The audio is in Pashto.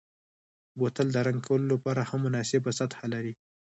بوتل د رنګ کولو لپاره هم مناسبه سطحه لري.